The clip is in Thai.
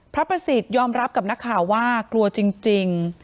พระประสิทธิ์ยอมรับกับนักข่าวว่ากลัวจริง